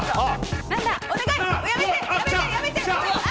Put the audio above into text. お願い！